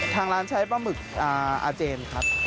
ทางร้านใช้ปลาหมึกอาเจนครับ